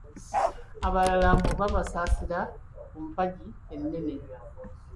Abalala mbu baabasibira ku mpagi ennene.